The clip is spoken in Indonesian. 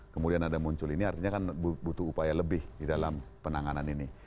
kemudian ada muncul ini artinya kan butuh upaya lebih di dalam penanganan ini